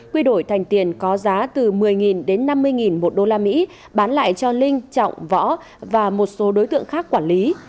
quy đổi thành tiền có giá từ một mươi đến năm mươi usd bán lại cho linh trọng võ và một số đối tượng khác quản lý